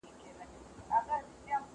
تودي اوبه د ستوني لپاره څنګه دي؟